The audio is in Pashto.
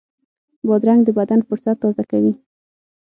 بادرنګ د بدن فُرصت تازه کوي.